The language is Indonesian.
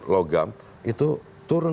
logam itu turun